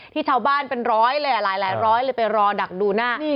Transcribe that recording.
ชาวบ้านเป็นร้อยเลยอ่ะหลายร้อยเลยไปรอดักดูหน้า